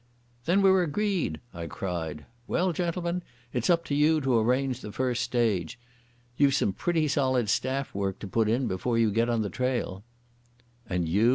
"Then we're agreed," I cried. "Well, gentlemen, it's up to you to arrange the first stage. You've some pretty solid staff work to put in before you get on the trail." "And you?"